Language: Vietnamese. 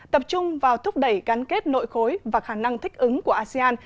tập trung vào thúc đẩy gắn kết nội khối và khả năng thích ứng của asean